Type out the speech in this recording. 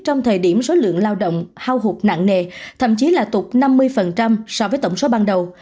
trong thời điểm số lượng lao động hao hụt nặng nề thậm chí là tụt năm mươi so với tổng số ban đầu